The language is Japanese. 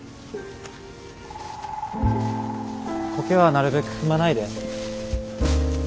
苔はなるべく踏まないで。